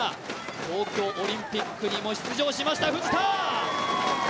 東京オリンピックにも出場しました藤田。